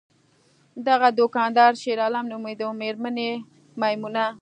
دغه دوکاندار شیرعالم نومیده، میرمن یې میمونه!